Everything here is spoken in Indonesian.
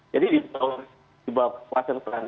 jadi di bawah kekuasaan perang